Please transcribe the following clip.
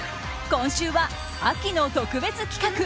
今週は、秋の特別企画！